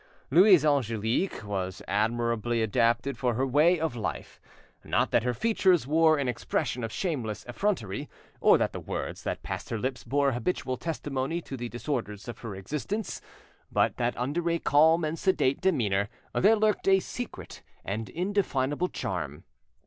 Louise Angelique was admirably adapted for her way of life; not that her features wore an expression of shameless effrontery, or that the words that passed her lips bore habitual testimony to the disorders of her existence, but that under a calm and sedate demeanour there lurked a secret and indefinable charm.